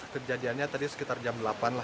kejadiannya tadi sekitar jam delapan